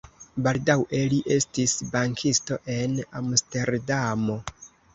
Baldaŭe li estis bankisto en Amsterdamo.